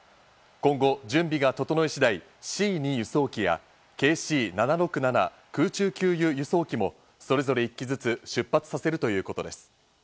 今後準備が整い次第、「Ｃ２輸送機」や「ＫＣ７６７空中給油・輸送機」もそれぞれ１機ずつ出発させるということです。